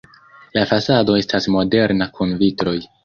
La fasado estas moderna kun vitroj.